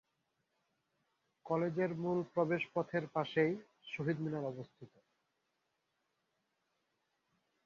কলেজের মূল প্রবেশপথের পাশেই শহীদ মিনার অবস্থিত।